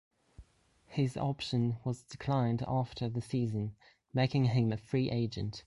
His option was declined after the season, making him a free agent.